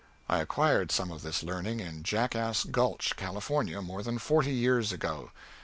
I acquired some of this learning in Jackass Gulch, California, more than forty years ago.